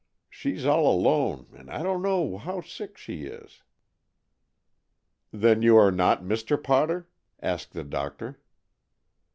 She's all alone, and I don't know how sick she is." "Then you are not Mr. Potter?" asked the doctor.